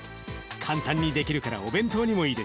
簡単にできるからお弁当にもいいでしょ？